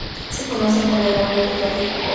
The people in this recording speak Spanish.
Se conocen con el nombre vulgar de cucos.